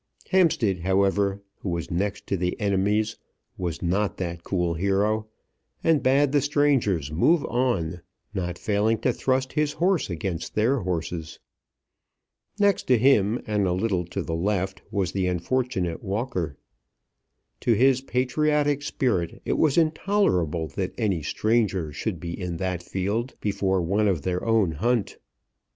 Hampstead, however, who was next to the enemies, was not that cool hero, and bade the strangers move on, not failing to thrust his horse against their horses. Next to him, and a little to the left, was the unfortunate Walker. To his patriotic spirit it was intolerable that any stranger should be in that field before one of their own hunt.